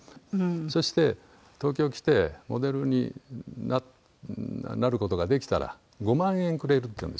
そして東京へ来てモデルになる事ができたら５万円くれるっていうんですよ。